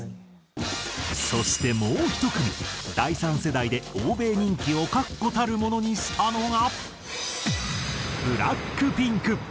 そしてもう１組第３世代で欧米人気を確固たるものにしたのが。